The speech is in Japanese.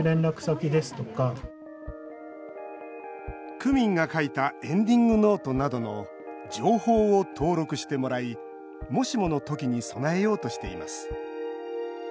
区民が書いたエンディングノートなどの情報を登録してもらいもしもの時に備えようとしています。